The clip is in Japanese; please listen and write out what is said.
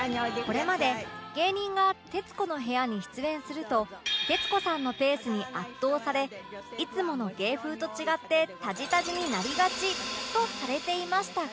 これまで芸人が『徹子の部屋』に出演すると徹子さんのペースに圧倒されいつもの芸風と違ってタジタジになりがちとされていましたが